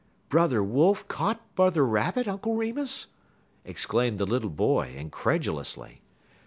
"Brother Wolf caught Brother Rabbit, Uncle Remus?" exclaimed the little boy, incredulously.